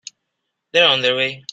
They're on their way.